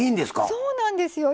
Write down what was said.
そうなんですよ。